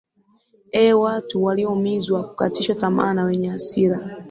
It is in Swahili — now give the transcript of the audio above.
e watu walioumizwa kukatishwa tamaa na wenye hasira